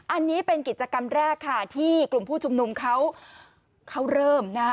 อันนี้เป็นกิจกรรมแรกค่ะที่กลุ่มผู้ชุมนุมเขาเริ่มนะฮะ